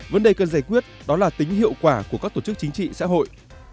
vấn đề cần giải quyết đó là tính hiệu quả của các tổ chức chính trị xã hội